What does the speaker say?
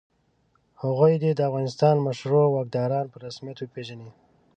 هغوی دې د افغانستان مشروع واکداران په رسمیت وپېژني.